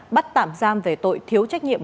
bắt tạm giam về tội thiếu trách nhiệm